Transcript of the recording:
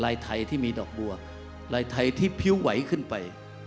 ไทยที่มีดอกบัวลายไทยที่พิ้วไหวขึ้นไป